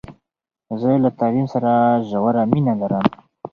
زه له تعلیم سره ژوره مینه لرم.